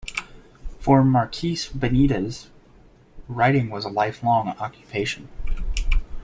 For Marquez-Benitez, writing was a lifelong occupation.